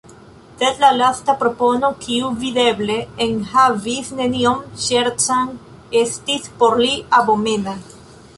Sed la lasta propono, kiu videble enhavis nenion ŝercan, estis por li abomena.